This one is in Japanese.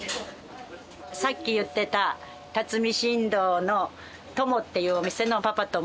さっき言ってた辰巳新道の「とも」っていうお店のパパとママです。